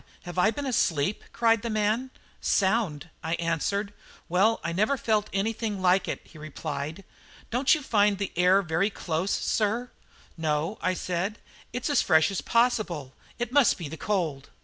have I been asleep?" cried the man. "Sound," I answered. "Well, I never felt anything like it," he replied. "Don't you find the air very close, sir?" "No," I said; "it is as fresh as possible; it must be the cold."